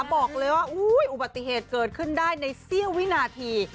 บอกเลยว่าอุบัติเหตุเกิดขึ้นได้ในเสี้ยววินาที